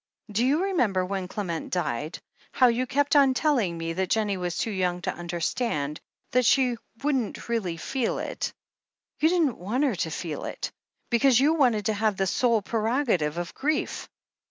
Do you remember when Clement died, how you kept on telling me that Jennie was too young to understand — ^that she wouldn't really feel it? You didn't want her to feel it, because you wanted to have the sole prerogative of grief.